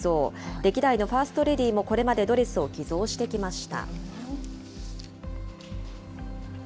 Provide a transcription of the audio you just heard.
歴代のファーストレディーもこれまでドレスを寄贈してきました。